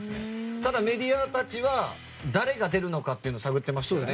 ただ、メディアたちは誰が出るのかを探ってましたね。